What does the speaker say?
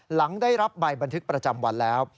หลังได้รับใบบันทึกประจำวันแล้ว